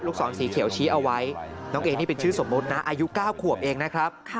ศรสีเขียวชี้เอาไว้น้องเอนี่เป็นชื่อสมมุตินะอายุ๙ขวบเองนะครับ